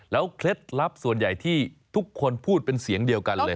เคล็ดลับส่วนใหญ่ที่ทุกคนพูดเป็นเสียงเดียวกันเลย